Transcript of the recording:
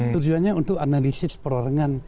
tujuannya untuk analisis perorengan